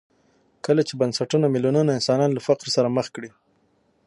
کله چې بنسټونه میلیونونه انسانان له فقر سره مخ کړي.